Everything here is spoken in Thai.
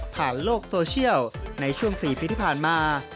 โลกโซเชียลในช่วง๔ปีที่ผ่านมา